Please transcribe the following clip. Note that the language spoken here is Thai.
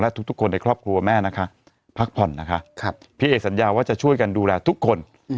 ทุกคนในครอบครัวแม่นะคะพักผ่อนนะคะพี่เอกสัญญาว่าจะช่วยกันดูแลทุกคน